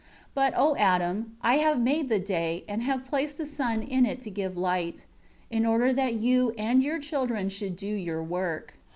But, O Adam, I have made the day, and have placed the sun in it to give light; in order that you and your children should do your work.